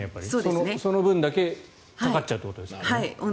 その分だけかかっちゃうということですね。